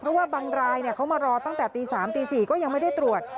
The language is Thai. เพราะว่าบางรายเขามารอตั้งแต่ตี๓ตี๔ก็ยังไม่ได้ตรวจ